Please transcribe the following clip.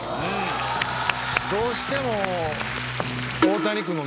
どうしても。